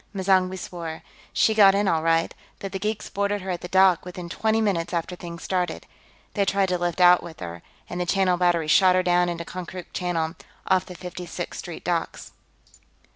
M'zangwe swore. "She got in, all right. But the geeks boarded her at the dock, within twenty minutes after things started. They tried to lift out with her, and the Channel Battery shot her down into Konkrook Channel, off the Fifty Sixth Street docks."